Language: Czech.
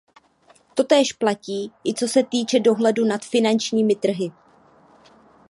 Totéž platí, i co se týče dohledu nad finančními trhy.